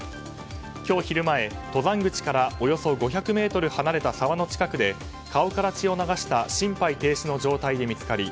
今日昼前、登山口からおよそ５００ｍ離れた沢の近くで、顔から血を流した心肺停止の状態で見つかり